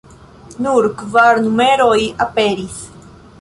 Nur kvar numeroj aperis.